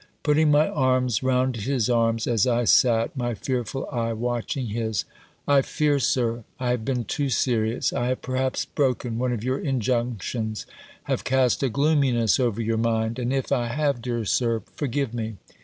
Putting my arms round his arms, as I sat, my fearful eye watching his, "I fear. Sir, I have been too serious! I have, perhaps, broken one of your injunctions! Have cast a gloominess over your mind! And if I have, dear Sir, forgive me!"